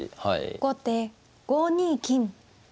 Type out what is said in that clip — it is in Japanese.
後手５二金。